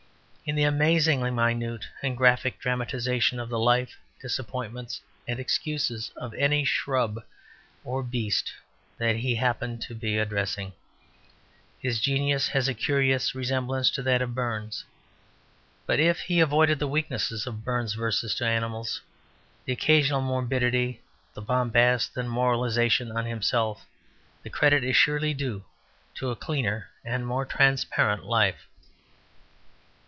In the amazingly minute and graphic dramatisation of the life, disappointments and excuses of any shrub or beast that he happened to be addressing, his genius has a curious resemblance to that of Burns. But if he avoided the weakness of Burns' verses to animals, the occasional morbidity, bombast and moralisation on himself, the credit is surely due to a cleaner and more transparent life.